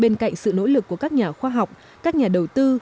bên cạnh sự nỗ lực của các nhà khoa học các nhà đầu tư